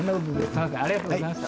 すみませんありがとうございました。